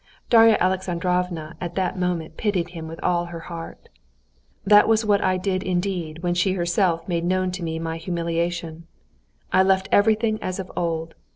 Darya Alexandrovna at that moment pitied him with all her heart. "That was what I did indeed when she herself made known to me my humiliation; I left everything as of old.